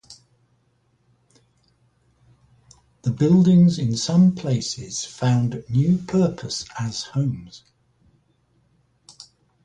The buildings in some places found new purpose as homes.